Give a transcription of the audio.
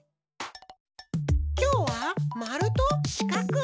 きょうはまるとしかく。